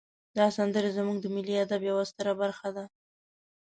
دا سندرې زمونږ د ملی ادب یوه ستره برخه ده.